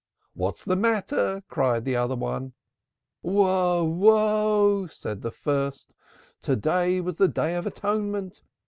'What's the matter?' cried the other. 'Woe, woe,' said the first. 'To day was the Day of Atonement!